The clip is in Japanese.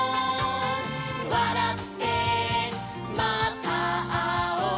「わらってまたあおう」